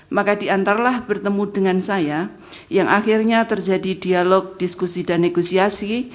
maka diantarlah bertemu dengan saya yang akhirnya terjadi dialog diskusi dan negosiasi